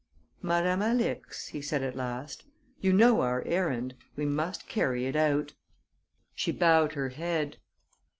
"Madame Alix," he said, at last, "you know our errand we must carry it out." She bowed her head.